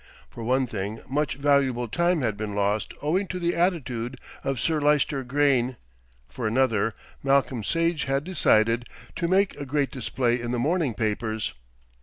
For one thing much valuable time had been lost owing to the attitude of Sir Lyster Grayne, for another, Malcolm Sage had decided to make a great display in the morning papers.